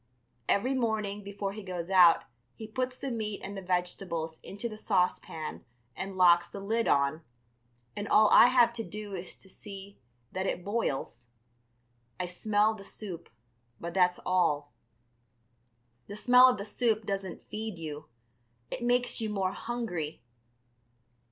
Every morning before he goes out he puts the meat and the vegetables into the saucepan and locks the lid on, and all I have to do is to see that it boils. I smell the soup, but that's all. The smell of the soup doesn't feed you; it makes you more hungry.